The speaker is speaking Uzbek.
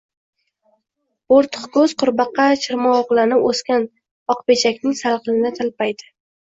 Bo‘rtiqko‘z qurbaqa chirmovuqlanib o‘sgan oqpechakning salqinida talpaydi